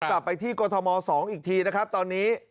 กลับไปที่กรทม๒อีกทีนะครับตอนนี้